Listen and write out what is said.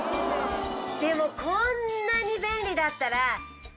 でもこんなに便利だったら。